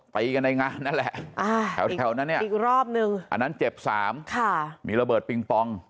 ตีกันในงานนั่นแหละอีกรอบนึงอันนั้นเจ็บสามค่ะมีระเบิดปิงปอง